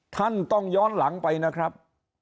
ท่านต้องย้อนหลังไปนะครับ